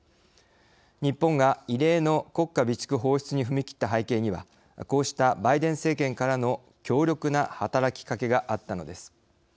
日本が異例の国家備蓄放出に踏み切った背景にはこうしたバイデン政権からの強力な働きかけがあったのです。